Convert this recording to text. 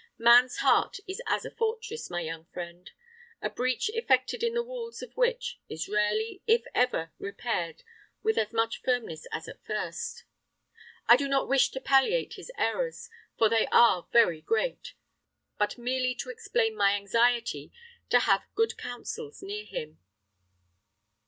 Man's heart is as a fortress, my young friend; a breach effected in the walls of which is rarely, if ever, repaired with as much firmness as at first. I do not wish to palliate his errors, for they are very great, but merely to explain my anxiety to have good counsels near him."